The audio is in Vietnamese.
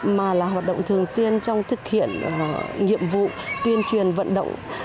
mà là hoạt động thường xuyên trong thực hiện nhiệm vụ tuyên truyền vận động